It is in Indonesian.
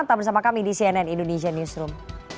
tetap bersama kami di cnn indonesia newsroom